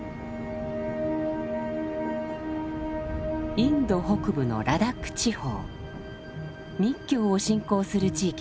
インド北部のラダック地方密教を信仰する地域です。